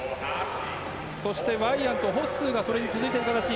そして、ワイヤントホッスーがそれに続いて行く形。